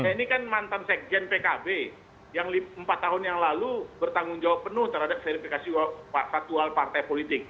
saya ini kan mantan sekjen pkb yang empat tahun yang lalu bertanggung jawab penuh terhadap verifikasi faktual partai politik